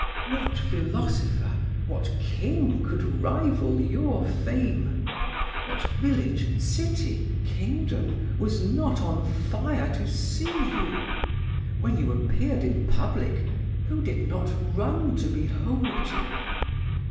What philosopher, what king, could rival your fame? What village, city, kingdom, was not on fire to see you? When you appeared in public, who did not run to behold you?